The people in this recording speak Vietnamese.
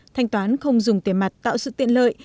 thanh toán không dùng tiền mặt tạo sự tiện lợi